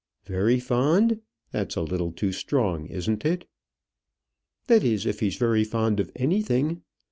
"Very fond! That's a little too strong, isn't it?" "That is, if he's very fond of anything.